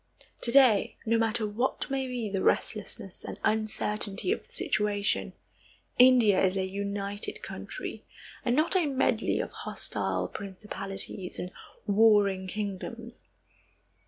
To day, no matter what may be the restlessness and uncertainty of the situation, India is a united country, and not a medley of hostile principalities and warring kingdoms.